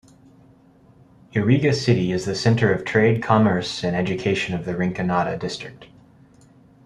Iriga City is the center of trade, commerce, and education of the Rinconada district.